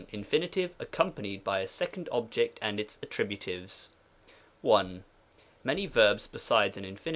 Infinitive Accompanied by a Second Object and its Atteibutives. 1. Many verbs besides an Infin.